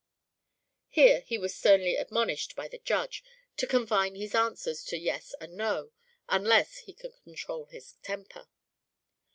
Here he was sternly admonished by the Judge to confine his answers to "Yes" and "No" unless he could control his temper.